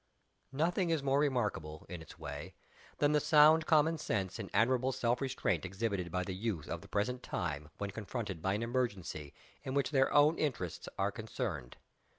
_" Nothing is more remarkable, in its way, than the sound common sense and admirable self restraint exhibited by the youth of the present time when confronted by an emergency in which their own interests are concerned.